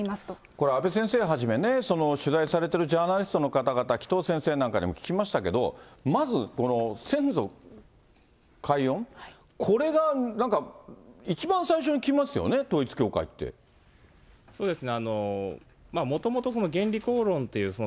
これ阿部先生はじめね、取材されてるジャーナリストの方々、紀藤先生なんかにも聞きましたけど、まずこの先祖解怨、これがなんか、一番最初にきますよね、そうですね。